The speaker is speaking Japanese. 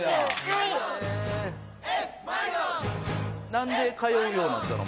なんで通うようになったの？